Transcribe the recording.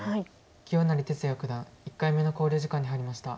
清成哲也九段１回目の考慮時間に入りました。